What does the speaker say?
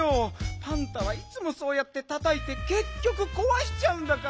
パンタはいつもそうやってたたいてけっきょくこわしちゃうんだから。